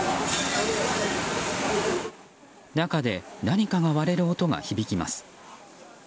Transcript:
中で何かが割れる音が響きます。